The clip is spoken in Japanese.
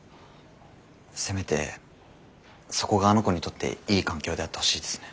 せめてそこがあの子にとっていい環境であってほしいですね。